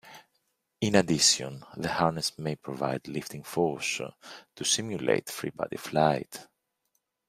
In addition, the harness may provide lifting force to simulate free-body flight.